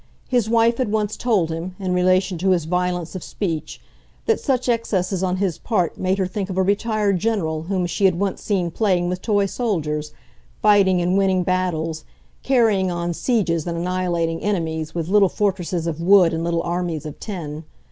His wife had once told him, in relation to his violence of speech; that such excesses, on his part, made her think of a retired General whom she had once seen playing with toy soldiers, fighting and winning battles, carrying on sieges and annihilating enemies with little fortresses of wood and little armies of tin.